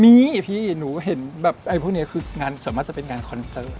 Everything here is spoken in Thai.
มีพี่หนูเห็นแบบไอ้พวกนี้คืองานส่วนมากจะเป็นงานคอนเตอร์